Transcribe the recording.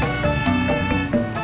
terima kasih bang